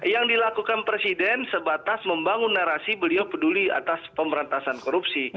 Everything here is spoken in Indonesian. yang dilakukan presiden sebatas membangun narasi beliau peduli atas pemberantasan korupsi